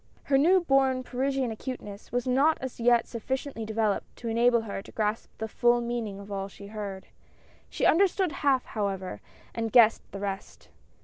Her new born Parisian acuteness was not as yet sufficiently developed to enable her to grasp the full meaning of all she heard. She understood half, however, and guessed the rest.